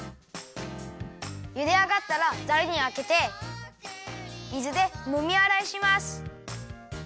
ゆであがったらざるにあけてみずでもみあらいします。